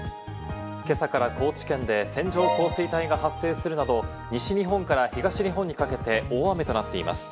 今朝から高知県で線状降水帯が発生するなど、西日本から東日本にかけて大雨となっています。